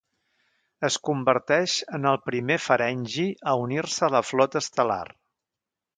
Es converteix en el primer ferengi a unir-se a la flota estel·lar.